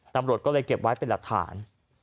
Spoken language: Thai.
ตำรวจก็เลยเก็บไว้เป็นหลักฐาน